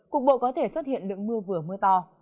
cục bộ có thể xuất hiện lượng mưa vừa mưa to